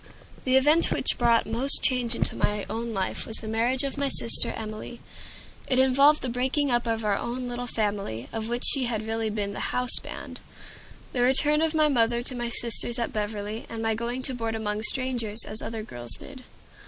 The event which brought most change into my own life was the marriage of my sister Emilie. It involved the breaking up of our own little family, of which she had really been the "houseband," the return of my mother to my sisters at Beverly, and my going to board among strangers, as other girls did.